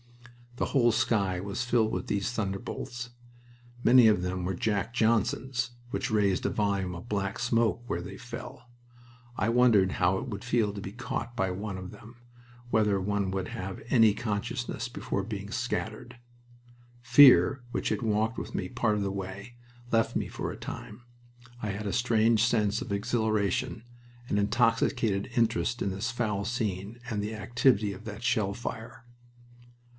The whole sky was filled with these thunderbolts. Many of them were "Jack Johnsons," which raised a volume of black smoke where they fell. I wondered how it would feel to be caught by one of them, whether one would have any consciousness before being scattered. Fear, which had walked with me part of the way, left me for a time. I had a strange sense of exhilaration, an intoxicated interest in this foul scene and the activity of that shell fire.